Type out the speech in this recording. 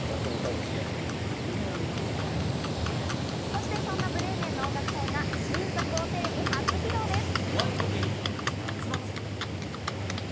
そして、そんなブレーメンの音楽隊が新作をテレビ初披露です。